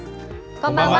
こんばんは。